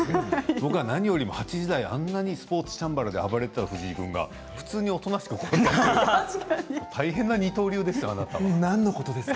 僕は何よりも、８時台あんなにスポーツチャンバラで暴れていた藤井君がおとなしく座っていて何のことですか？